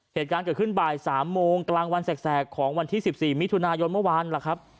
เหตุการณ์เกิดขึ้นบ่าย๓โมงกลางวันแสกของวันที่๑๔มิถุนายนเมื่อวานล่ะครับ